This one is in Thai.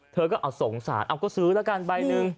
เธอก็เอาสงสารเอาก็ซื้อแล้วกันใบหนึ่ง